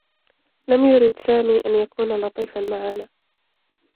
لم يرد سامي أن يكون لطيفا معنا.